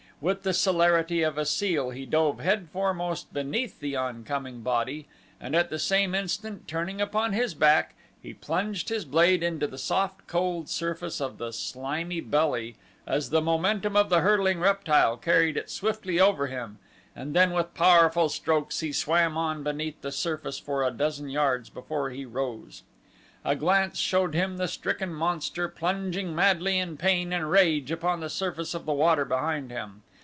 With the celerity of a seal he dove headforemost beneath the oncoming body and at the same instant, turning upon his back, he plunged his blade into the soft, cold surface of the slimy belly as the momentum of the hurtling reptile carried it swiftly over him; and then with powerful strokes he swam on beneath the surface for a dozen yards before he rose. A glance showed him the stricken monster plunging madly in pain and rage upon the surface of the water behind him.